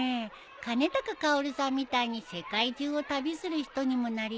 兼高かおるさんみたいに世界中を旅する人にもなりたいけど本当はねえ。